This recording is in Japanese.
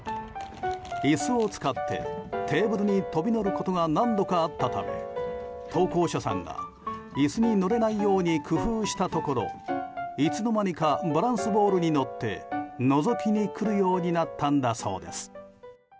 椅子を使って、テーブルに飛び乗ることが何度かあったため投稿者さんが椅子に乗れないように工夫したところいつの間にかバランスボールに乗ってのぞきに来るようになったんだそうです。